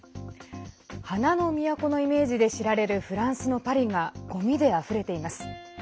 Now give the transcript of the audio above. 花の都のイメージで知られるフランスのパリがごみであふれています。